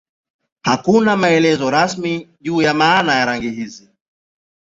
Hakuna maelezo rasmi juu ya maana ya rangi hizi.